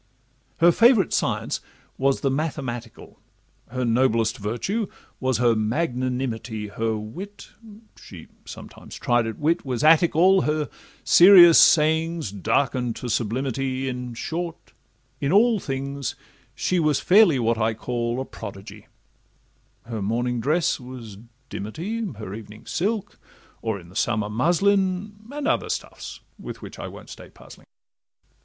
Her favourite science was the mathematical, Her noblest virtue was her magnanimity, Her wit (she sometimes tried at wit) was Attic all, Her serious sayings darken'd to sublimity; In short, in all things she was fairly what I call A prodigy—her morning dress was dimity, Her evening silk, or, in the summer, muslin, And other stuffs, with which I won't stay puzzling.